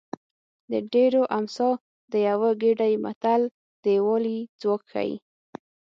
د ډېرو امسا د یوه ګېډۍ متل د یووالي ځواک ښيي